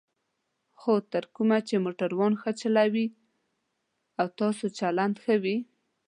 خو تر کومه چې موټران ښه چلوئ او ستاسو چلند ښه وي.